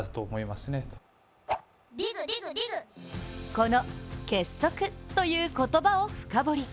この結束という言葉を深掘り。